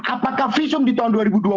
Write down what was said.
apakah visum di tahun dua ribu dua puluh